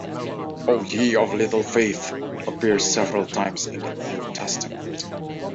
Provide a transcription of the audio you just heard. "O ye of little faith" appears several times in the New Testament.